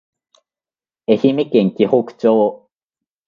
愛媛県鬼北町